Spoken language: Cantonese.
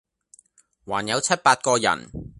還有七八個人，